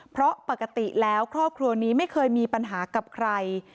เพราะปกติแล้วครอบครัวนี้ไม่เคยมีปัญหากับใคร